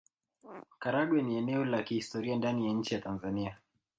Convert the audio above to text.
Karagwe ni eneo la kihistoria ndani ya nchi ya Tanzania